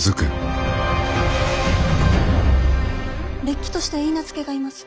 れっきとした許婚がいます。